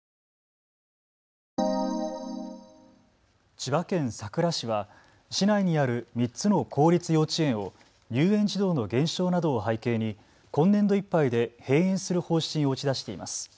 千葉県佐倉市は市内にある３つの公立幼稚園を入園児童の減少などを背景に今年度いっぱいで閉園する方針を打ち出しています。